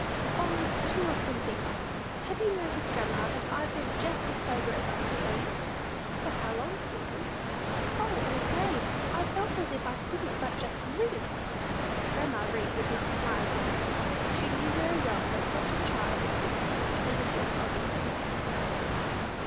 "O, two or three things. Have you noticed, grandma, that I've been just as sober as can be?" "For how long, Susan?" "O, all day; I've felt as if I couldn't but just live!" Grandma Read did not smile at this. She knew very well that such a child as Susy is capable of intense suffering.